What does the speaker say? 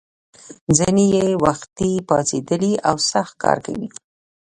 ځینې یې وختي پاڅېدلي او سخت کار کوي.